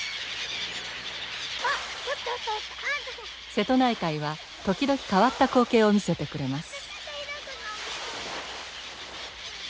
瀬戸内海は時々変わった光景を見せてくれます。